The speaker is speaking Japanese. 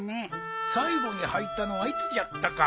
最後に履いたのはいつじゃったか。